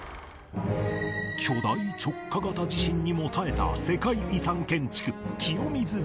巨大直下型地震にも耐えた世界遺産建築清水寺